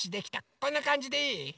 こんなかんじでいい？